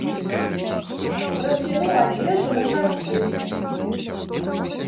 Расхінуў адзежу на шастку.